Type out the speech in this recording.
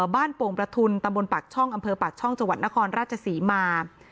บ้านโปรงประทุลตำบลปักช่องอำเภอปักช่องจนครราชศรีมา